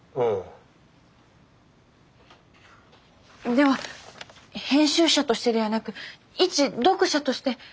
では編集者としてではなく一読者として。